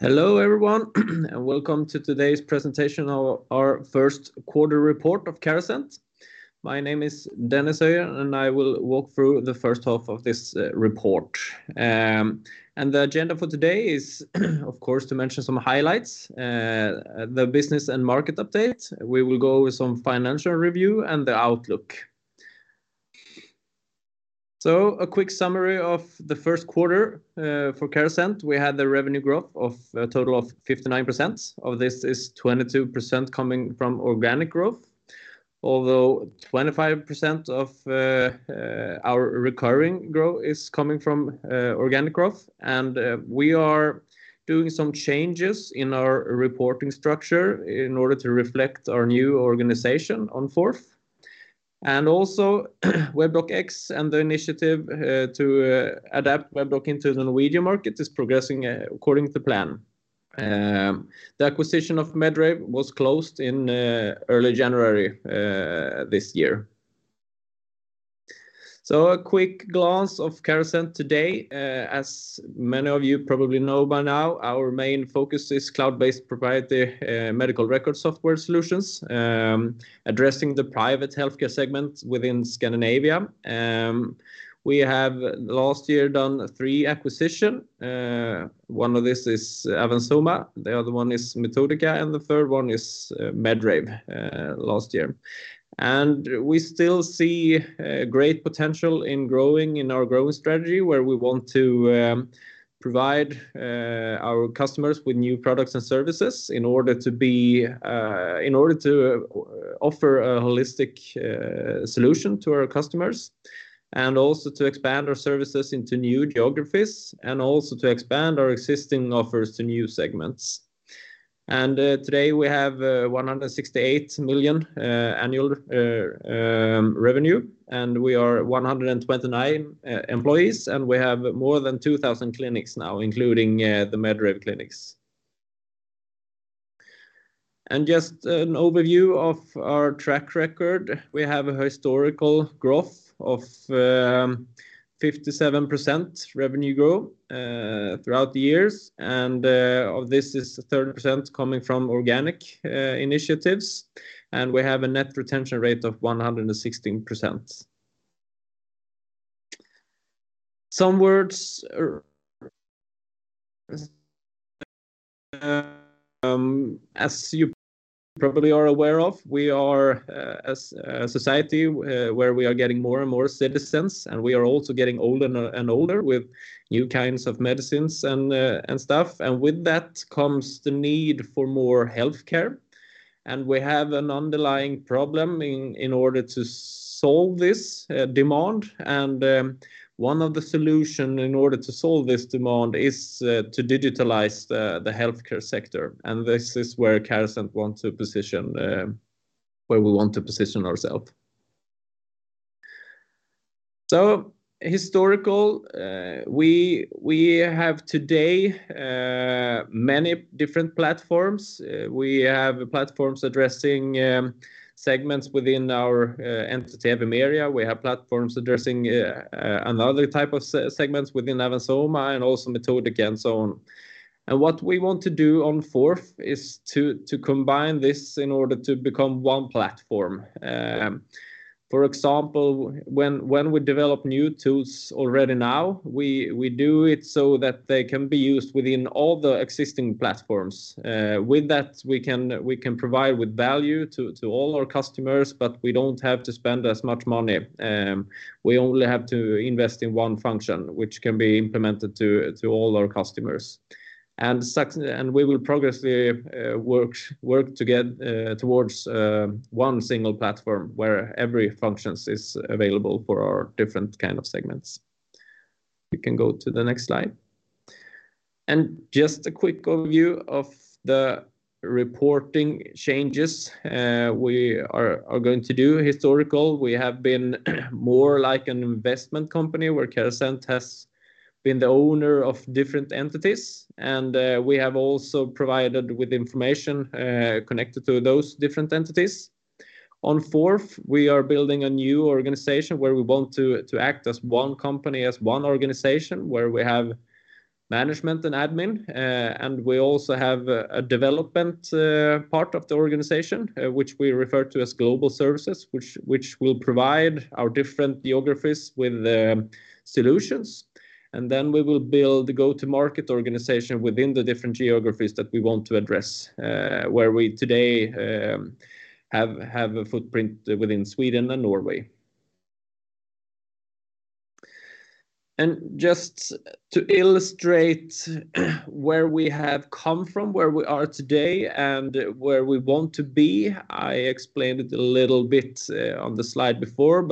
Hello everyone, and welcome to today's presentation of our first quarter report of Carasent. My name is Dennis Höjer, and I will walk through the first half of this report. The agenda for today is, of course, to mention some highlights, the business and market update. We will go over some financial review and the outlook. A quick summary of the first quarter for Carasent. We had the revenue growth of a total of 59%. Of this is 22% coming from organic growth, although 25% of our recurring growth is coming from organic growth. We are doing some changes in our reporting structure in order to reflect our new organization in Q4. Also, Webdoc X and the initiative to adapt Webdoc into the Norwegian market is progressing according to plan. The acquisition of Medrave was closed in early January this year. A quick glance of Carasent today. As many of you probably know by now, our main focus is cloud-based proprietary medical record software solutions addressing the private healthcare segment within Scandinavia. We have last year done three acquisitions. One of this is Avans Soma, the other one is Metodika, and the third one is Medrave last year. We still see great potential in growing in our growth strategy, where we want to provide our customers with new products and services in order to be in order to offer a holistic solution to our customers. Also to expand our services into new geographies, and also to expand our existing offers to new segments. Today we have 168 million annual revenue, and we are 129 employees, and we have more than 2,000 clinics now, including the Medrave clinics. Just an overview of our track record. We have a historical growth of 57% revenue growth throughout the years, and of this is 30% coming from organic initiatives, and we have a net retention rate of 116%. As you probably are aware of, we are a society where we are getting more and more citizens, and we are also getting older with new kinds of medicines and stuff. With that comes the need for more healthcare. We have an underlying problem in order to solve this demand. One of the solutions in order to solve this demand is to digitalize the healthcare sector, and this is where Carasent wants to position where we want to position ourselves. Historically, we have today many different platforms. We have platforms addressing segments within our entity, Evimeria. We have platforms addressing another type of segments within Avans Soma and also Metodika and so on. What we want to do going forward is to combine this in order to become one platform. For example, when we develop new tools already now, we do it so that they can be used within all the existing platforms. With that, we can provide with value to all our customers, but we don't have to spend as much money. We only have to invest in one function, which can be implemented to all our customers. We will progressively work towards one single platform where every functions is available for our different kind of segments. We can go to the next slide. Just a quick overview of the reporting changes we are going to do. Historically, we have been more like an investment company, where Carasent has been the owner of different entities, and we have also provided with information connected to those different entities. On fourth, we are building a new organization where we want to act as one company, as one organization, where we have management and admin, and we also have a development part of the organization, which we refer to as global services, which will provide our different geographies with solutions. We will build the go-to-market organization within the different geographies that we want to address, where we today have a footprint within Sweden and Norway. Just to illustrate where we have come from, where we are today, and where we want to be, I explained it a little bit on the slide before.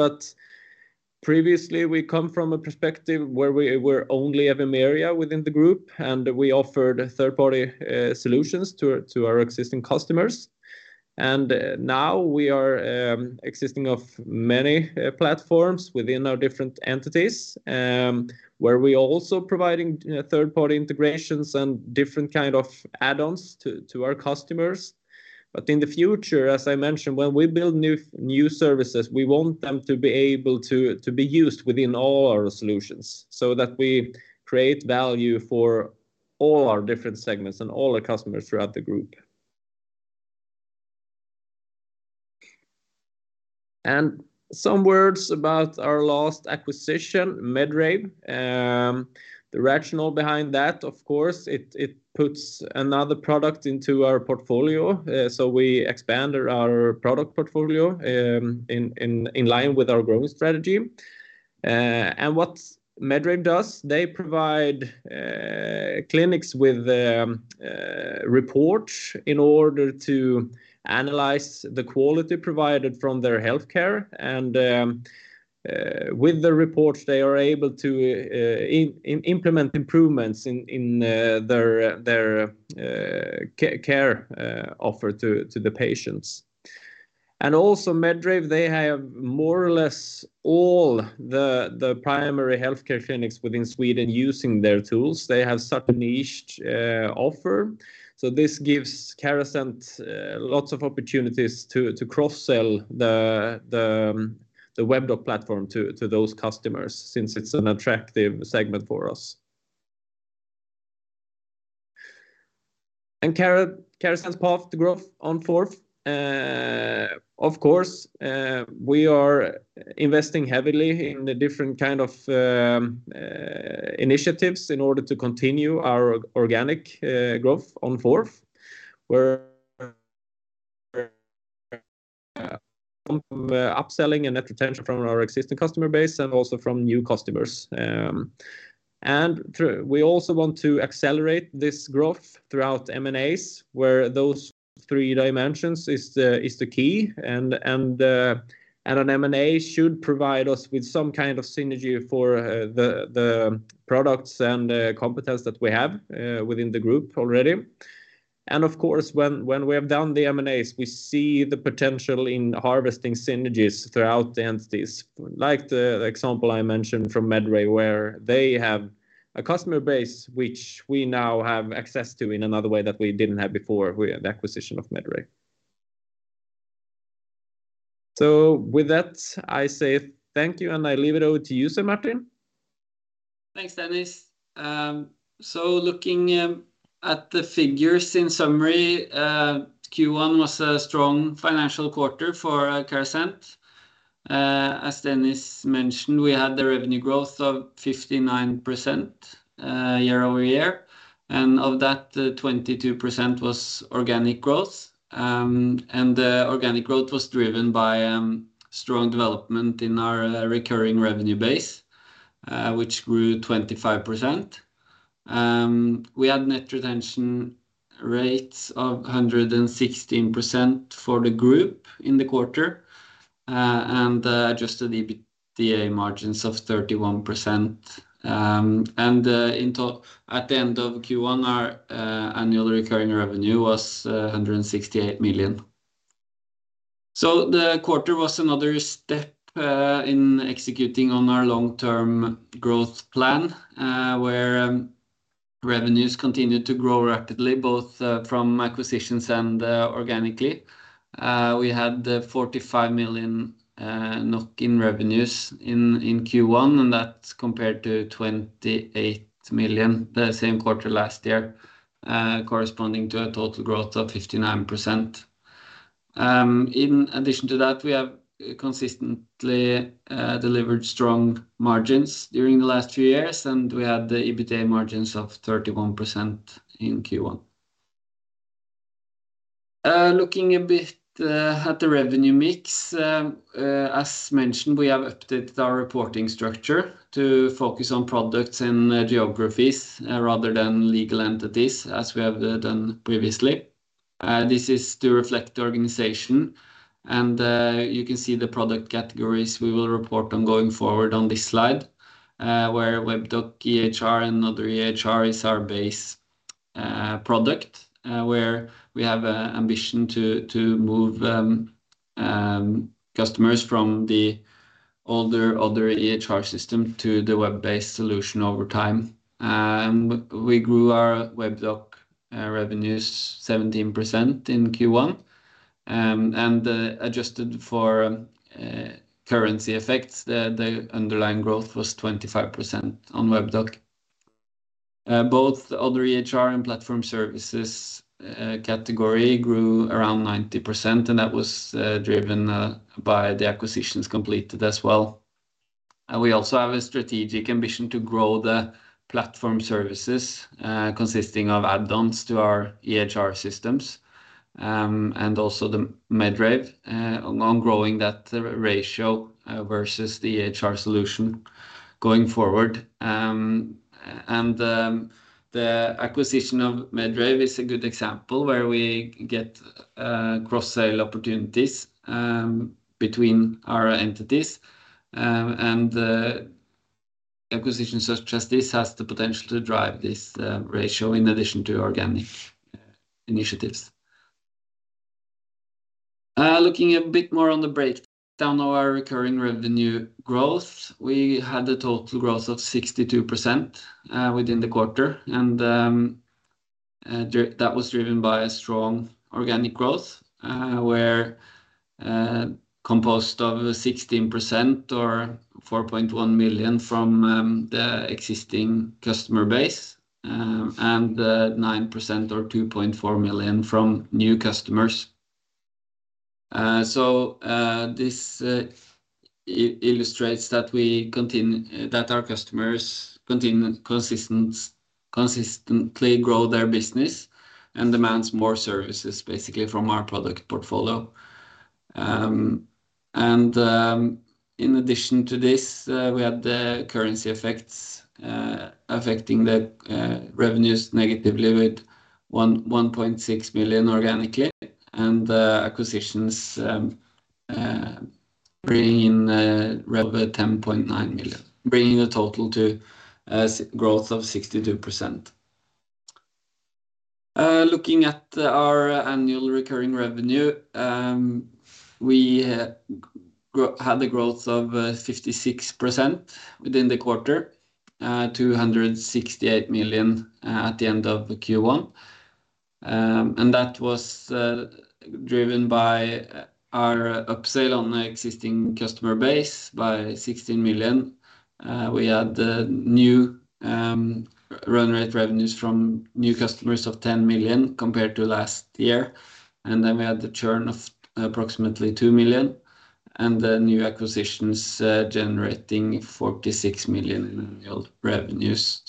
Previously, we come from a perspective where we were only Evimeria within the group, and we offered third-party solutions to our existing customers. Now we are existing of many platforms within our different entities, where we're also providing, you know, third-party integrations and different kind of add-ons to our customers. In the future, as I mentioned, when we build new services, we want them to be able to be used within all our solutions so that we create value for all our different segments and all our customers throughout the group. Some words about our last acquisition, Medrave. The rationale behind that, of course, it puts another product into our portfolio, so we expand our product portfolio in line with our growth strategy. What Medrave does, they provide clinics with reports in order to analyze the quality provided from their healthcare. With the reports, they are able to implement improvements in their care offer to the patients. Also Medrave, they have more or less all the primary healthcare clinics within Sweden using their tools. They have such a niche offer. This gives Carasent lots of opportunities to cross-sell the Webdoc platform to those customers since it's an attractive segment for us. Carasent's path to growth in the Nordics, of course, we are investing heavily in the different kind of initiatives in order to continue our organic growth in the Nordics, where upselling and net retention from our existing customer base and also from new customers. We also want to accelerate this growth throughout M&As, where those three dimensions is the key and an M&A should provide us with some kind of synergy for the products and competence that we have within the group already. Of course, when we have done the M&As, we see the potential in harvesting synergies throughout the entities, like the example I mentioned from Medrave, where they have a customer base which we now have access to in another way that we didn't have before with the acquisition of Medrave. With that, I say thank you, and I hand it over to you, Martin. Thanks, Dennis Höjer. Looking at the figures in summary, Q1 was a strong financial quarter for Carasent. As Dennis Höjer mentioned, we had the revenue growth of 59%, year-over-year, and of that, 22% was organic growth. The organic growth was driven by strong development in our recurring revenue base, which grew 25%. We had net retention rates of 116% for the group in the quarter, and adjusted EBITDA margins of 31%. At the end of Q1, our annual recurring revenue was 168 million. The quarter was another step in executing on our long-term growth plan, where revenues continued to grow rapidly, both from acquisitions and organically. We had 45 million in revenues in Q1, and that's compared to 28 million the same quarter last year, corresponding to a total growth of 59%. In addition to that, we have consistently delivered strong margins during the last few years, and we had the EBITDA margins of 31% in Q1. Looking a bit at the revenue mix, as mentioned, we have updated our reporting structure to focus on products and geographies rather than legal entities, as we have done previously. This is to reflect the organization, and you can see the product categories we will report on going forward on this slide, where Webdoc EHR and other EHR is our base product, where we have a ambition to move customers from the older EHR system to the web-based solution over time. We grew our Webdoc revenues 17% in Q1, and adjusted for currency effects, the underlying growth was 25% on Webdoc. Both the other EHR and platform services category grew around 90%, and that was driven by the acquisitions completed as well. We also have a strategic ambition to grow the platform services, consisting of add-ons to our EHR systems, and also the Medrave, on growing that ratio versus the EHR solution going forward. The acquisition of Medrave is a good example where we get cross-sell opportunities between our entities, and acquisitions such as this has the potential to drive this ratio in addition to organic initiatives. Looking a bit more on the breakdown of our recurring revenue growth, we had a total growth of 62% within the quarter, and that was driven by a strong organic growth, where composed of 16% or 4.1 million from the existing customer base, and 9% or 2.4 million from new customers. This illustrates that our customers consistently grow their business and demands more services basically from our product portfolio. In addition to this, we had the currency effects affecting the revenues negatively with 1.6 million organically, and acquisitions bringing in over 10.9 million, bringing the total to growth of 62%. Looking at our annual recurring revenue, we had a growth of 56% within the quarter, 268 million at the end of the Q1. That was driven by our upsale on the existing customer base by 16 million. We had the new run rate revenues from new customers of 10 million compared to last year. Then we had the churn of approximately 2 million, and the new acquisitions generating 46 million in annual revenues.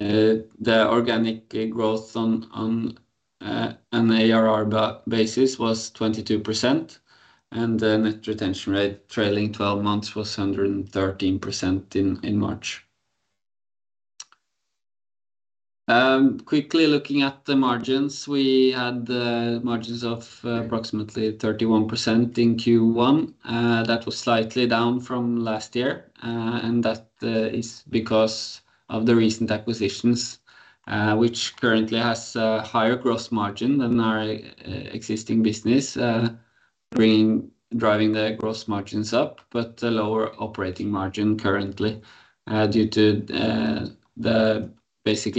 The organic growth on an ARR basis was 22%, and the net retention rate trailing twelve months was 113% in March. Quickly looking at the margins. We had margins of approximately 31% in Q1. That was slightly down from last year. That is because of the recent acquisitions, which currently has a higher gross margin than our existing business, driving the gross margins up, but a lower operating margin currently, due to the basic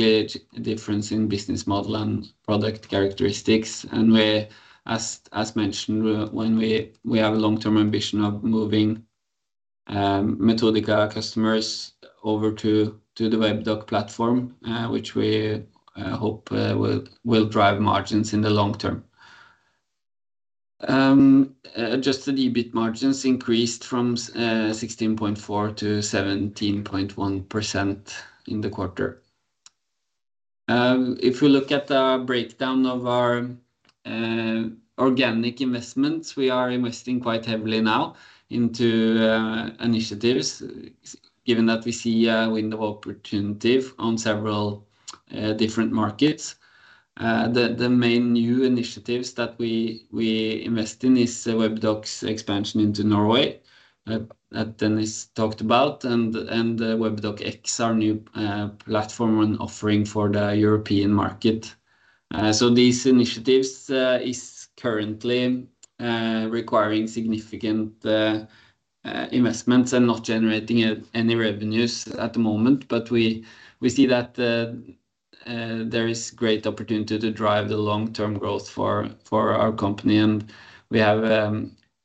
difference in business model and product characteristics. As mentioned, when we have a long-term ambition of moving Metodika customers over to the Webdoc platform, which we hope will drive margins in the long term. Adjusted EBIT margins increased from 16.4%-17.1% in the quarter. If we look at the breakdown of our organic investments, we are investing quite heavily now into initiatives given that we see a window of opportunity on several different markets. The main new initiatives that we invest in is Webdoc's expansion into Norway that Dennis talked about, and Webdoc X, our new platform and offering for the European market. These initiatives is currently requiring significant investments and not generating any revenues at the moment. We see that there is great opportunity to drive the long-term growth for our company. We have,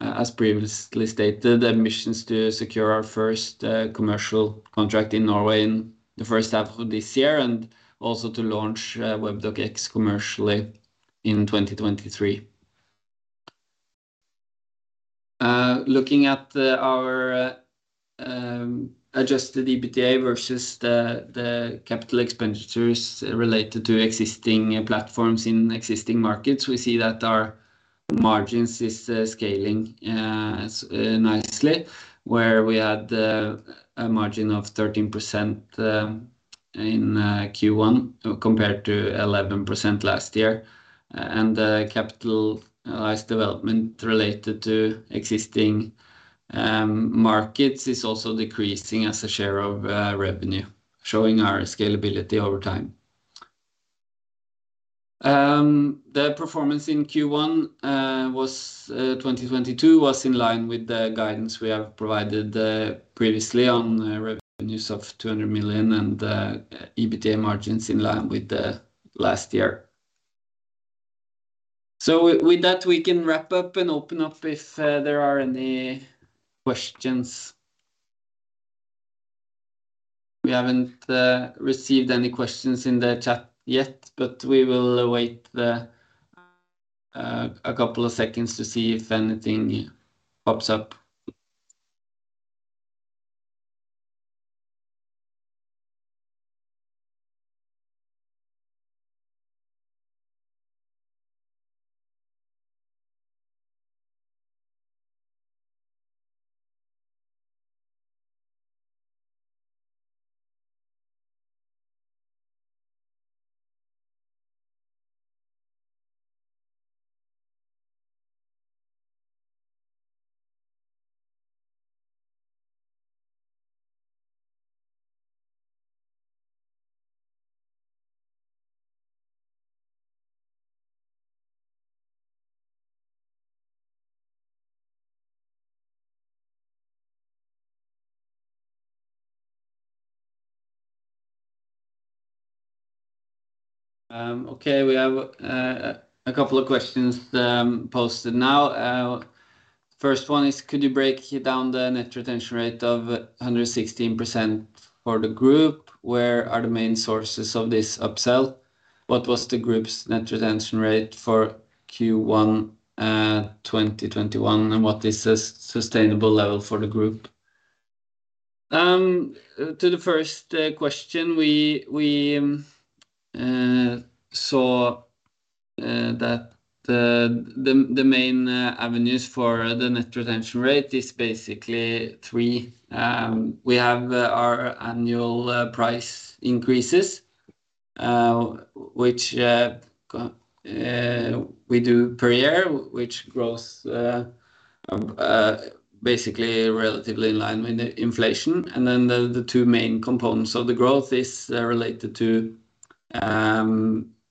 as previously stated, ambitions to secure our first commercial contract in Norway in the first half of this year, and also to launch Webdoc X commercially in 2023. Looking at our adjusted EBITDA versus the capital expenditures related to existing platforms in existing markets. We see that our margins is scaling nicely, where we had a margin of 13% in Q1 compared to 11% last year. The capitalized development related to existing markets is also decreasing as a share of revenue, showing our scalability over time. The performance in Q1 2022 was in line with the guidance we have provided previously on revenues of 200 million and EBITDA margins in line with the last year. With that, we can wrap up and open up if there are any questions. We haven't received any questions in the chat yet, but we will wait a couple of seconds to see if anything pops up. Okay. We have a couple of questions posted now. First one is could you break down the net retention rate of 116% for the group? Where are the main sources of this upsell? What was the group's net retention rate for Q1 2021? What is a sustainable level for the group? To the first question, we saw that the main avenues for the net retention rate is basically three. We have our annual price increases, which we do per year, which grows basically relatively in line with the inflation. The 2 main components of the growth is related to,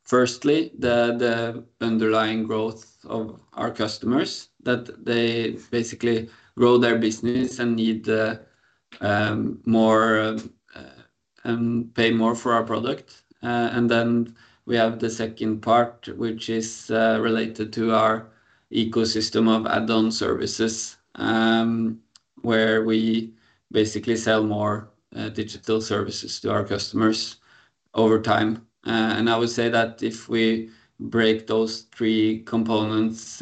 firstly, the underlying growth of our customers, that they basically grow their business and need more, pay more for our product. We have the second part, which is related to our ecosystem of add-on services, where we basically sell more digital services to our customers over time. I would say that if we break those 3 components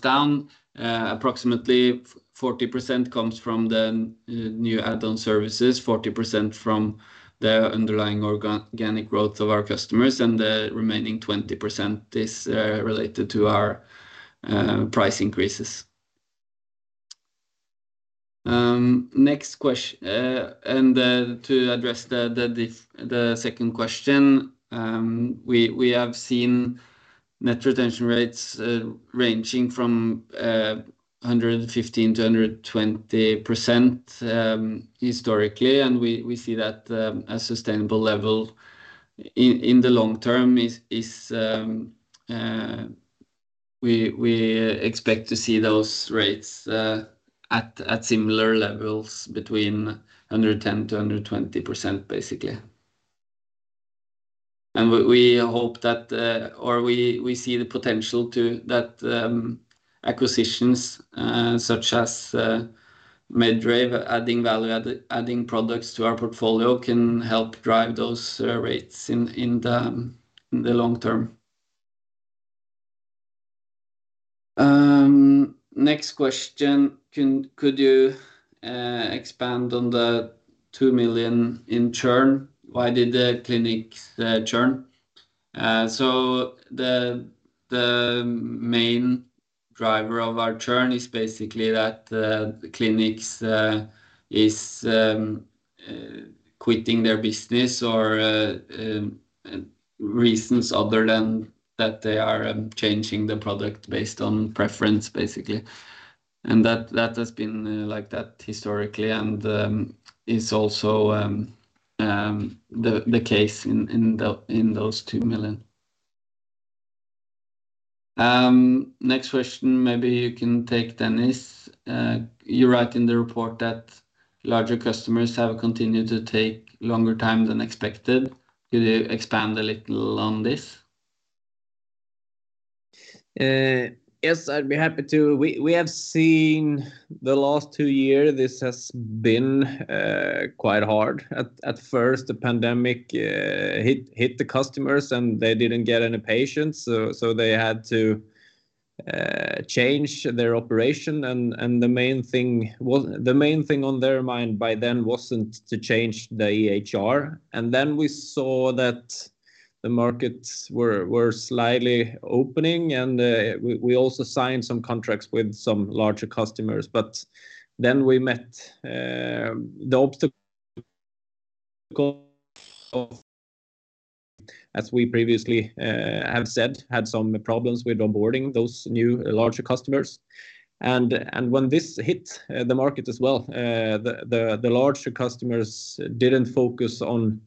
down, approximately 40% comes from the new add-on services, 40% from the underlying organic growth of our customers, and the remaining 20% is related to our price increases. To address the second question, we have seen net retention rates ranging from 115%-120%, historically, and we see that a sustainable level in the long term is we expect to see those rates at similar levels between 110%-120% basically. We hope that or we see the potential that acquisitions such as Medrave adding value, adding products to our portfolio can help drive those rates in the long term. Next question. Could you expand on the 2 million in churn? Why did the clinics churn? The main driver of our churn is basically that clinics is quitting their business or reasons other than that they are changing the product based on preference, basically. That has been like that historically, and is also the case in those 2 million. Next question maybe you can take, Dennis Höjer. You write in the report that larger customers have continued to take longer time than expected. Could you expand a little on this? Yes, I'd be happy to. We have seen the last two year this has been quite hard at first. The pandemic hit the customers, and they didn't get any patients, so they had to change their operation and the main thing on their mind by then wasn't to change the EHR. We saw that the markets were slightly opening, and we also signed some contracts with some larger customers. We met the obstacle as we previously have said, had some problems with onboarding those new larger customers. When this hit the market as well, the larger customers didn't focus on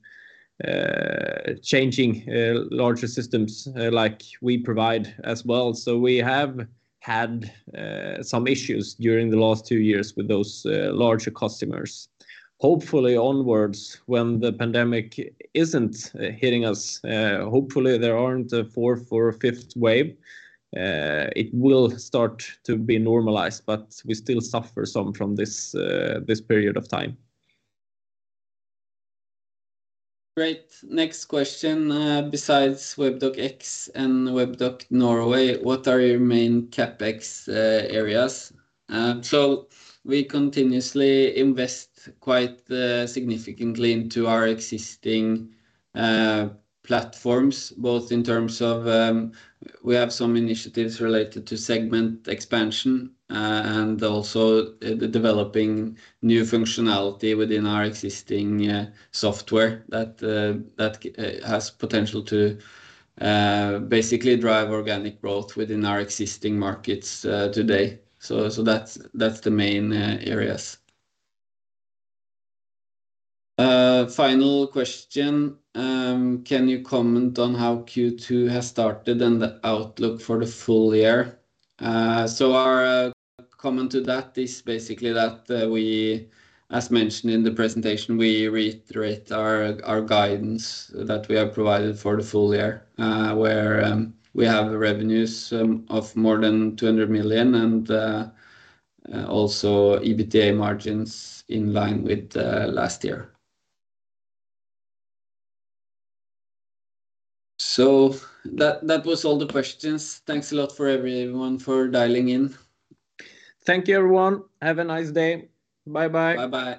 changing larger systems like we provide as well. We have had some issues during the last two years with those larger customers. Hopefully onwards, when the pandemic isn't hitting us, hopefully there aren't a fourth or a fifth wave, it will start to be normalized, but we still suffer some from this period of time. Great. Next question. Besides Webdoc X and Webdoc Norway, what are your main CapEx areas? We continuously invest quite significantly into our existing platforms, both in terms of, we have some initiatives related to segment expansion and also developing new functionality within our existing software that has potential to basically drive organic growth within our existing markets today. That's the main areas. Final question. Can you comment on how Q2 has started and the outlook for the full year? Our comment to that is basically that, we, as mentioned in the presentation, we reiterate our guidance that we have provided for the full year, where we have the revenues of more than 200 million and also EBITDA margins in line with last year. That was all the questions. Thanks a lot for everyone for dialing in. Thank you, everyone. Have a nice day. Bye-bye. Bye-bye.